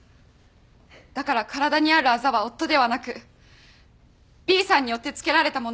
だから体にあるあざは夫ではなくＢさんによってつけられたものです。